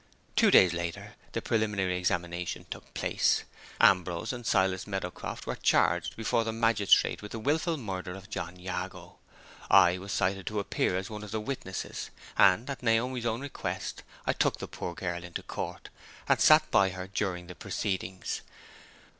Two days later, the preliminary examination took place. Ambrose and Silas Meadowcroft were charged before the magistrate with the willful murder of John Jago. I was cited to appear as one of the witnesses; and, at Naomi's own request, I took the poor girl into court, and sat by her during the proceedings.